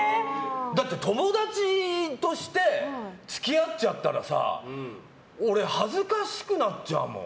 だって、友達として付き合っちゃったらさ俺、恥ずかしくなっちゃうもん。